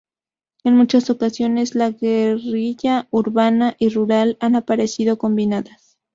En muchas ocasiones, la guerrilla urbana y rural han aparecido combinadas.